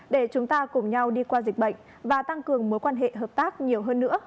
để chúng ta cùng nhau đi qua dịch bệnh và tăng cường mối quan hệ hợp tác nhiều hơn nữa